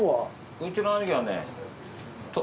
うちの兄貴はね。